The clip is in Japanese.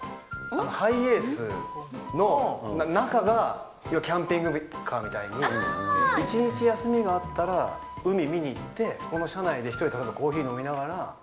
ハイエースの中がキャンピングカーみたいに、１日休みがあったら、海見に行って、この車内で１人でコーヒー飲みながら。